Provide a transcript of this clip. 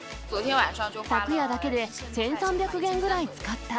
昨夜だけで１３００元ぐらい使った。